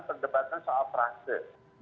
perdebatan soal prase